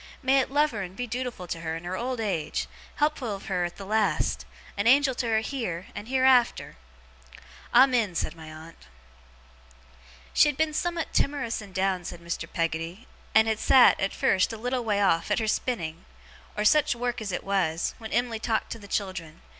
May it love her and be dootiful to her, in her old age; helpful of her at the last; a Angel to her heer, and heerafter!' 'Amen!' said my aunt. 'She had been summat timorous and down,' said Mr. Peggotty, 'and had sat, at first, a little way off, at her spinning, or such work as it was, when Em'ly talked to the children.